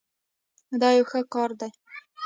دا یو ښه کار دی.